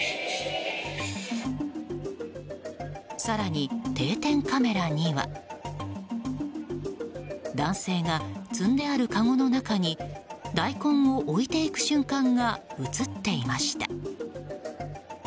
更に、定点カメラには。男性が積んであるかごの中に大根を置いていく瞬間が映っていました。